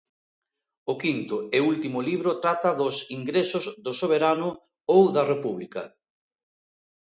O quinto e último libro trata dos ingresos do soberano ou da república.